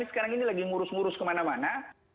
sekarang ini lagi ngurus ngurus kemana mana